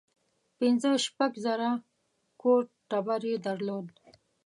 پنځه شپږ زره کور ټبر یې درلود.